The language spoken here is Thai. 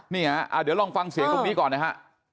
เนี่ยเดี๋ยวลองฟังเสียงตรงนี้ก่อนนะฮะ